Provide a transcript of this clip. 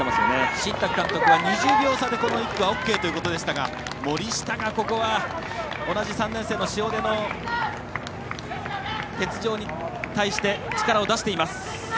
新宅監督は２０秒差でこの１区はＯＫということでしたが森下が、同じ３年生の塩出の欠場に対して、力を出しています。